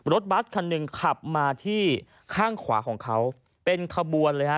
บัสคันหนึ่งขับมาที่ข้างขวาของเขาเป็นขบวนเลยฮะ